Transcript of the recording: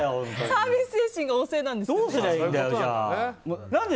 サービス精神が旺盛なんですね。